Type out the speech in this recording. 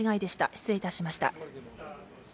失礼いたしました。